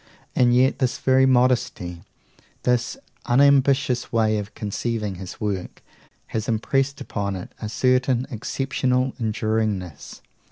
And yet this very modesty, this unambitious way of conceiving his work, has impressed upon it a certain exceptional enduringness.